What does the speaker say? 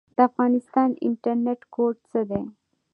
د افغانستان انټرنیټ کوډ څه دی؟